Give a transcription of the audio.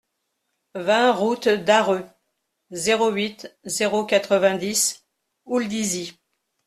vingt route d'Arreux, zéro huit, zéro quatre-vingt-dix, Houldizy